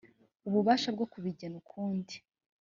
ububasha bwo kubigena ukundi